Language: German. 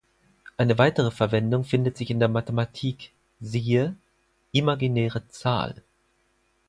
Eine weitere Verwendung findet sich in der Mathematik, "siehe:" Imaginäre Zahl.